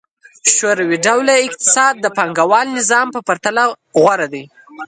شوروي ډوله اقتصاد د پانګوال نظام په پرتله غوره دی.